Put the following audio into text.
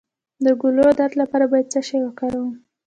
د ګلو درد لپاره باید څه شی وکاروم؟